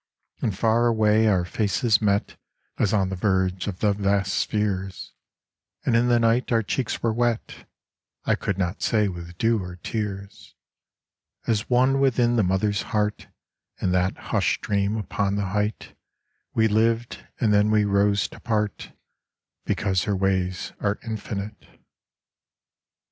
And far away our faces met As on the verge of the vast spheres ; And in the night our cheeks were wet, I could not say with dew or tears. As one within the Mother's heart In that hushed dream upon the height We lived, and then we rose to part, Because her ways are infinite.